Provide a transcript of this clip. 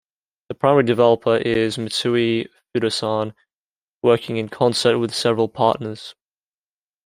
The primary developer is Mitsui Fudosan, working in concert with several partners.